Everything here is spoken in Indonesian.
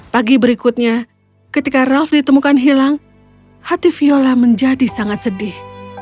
pagi berikutnya ketika ralf ditemukan hilang hati viola menjadi sangat sedih